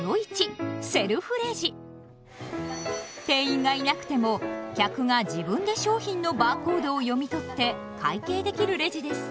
店員がいなくても客が自分で商品のバーコードを読み取って会計できるレジです。